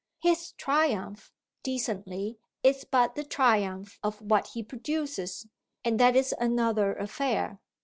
"His" triumph, decently, is but the triumph of what he produces, and that is another affair.